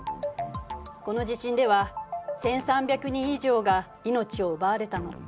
この地震では１，３００人以上が命を奪われたの。